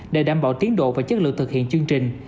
để đảm bảo tiến độ và chất lượng thực hiện chương trình